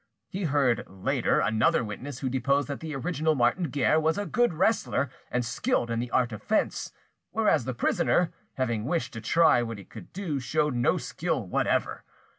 He heard later another witness who deposed that the original Martin Guerre was a good wrestler and skilled in the art of fence, whereas the prisoner, having wished to try what he could do, showed no skill whatever.